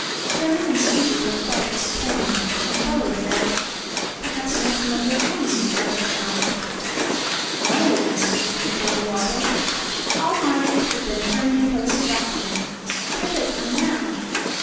Sammie and Susie were quite disappointed, and Bully said: "Perhaps you have some of your own you could let them have." "No," answered Mrs. Wibblewobble, "all my eggs have been turned into little ducklings. Here they come now."